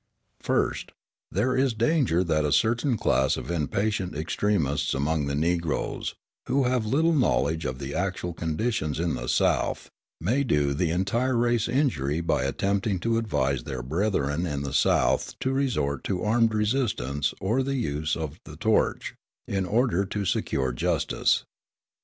First. There is danger that a certain class of impatient extremists among the Negroes, who have little knowledge of the actual conditions in the South, may do the entire race injury by attempting to advise their brethren in the South to resort to armed resistance or the use of the torch, in order to secure justice.